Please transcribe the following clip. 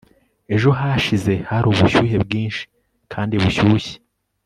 ejo hashize hari ubushyuhe bwinshi kandi bushyushye